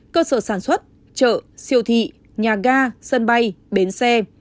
cơ sở sản xuất chợ siêu thị nhà ga sân bay bến xe